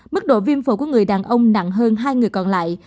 mức độ viêm phổi của người đàn ông nặng hơn hai người còn lại